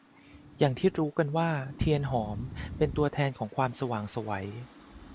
อย่างที่รู้กันว่า เทียนหอม เป็นตัวแทนของความสว่างไสว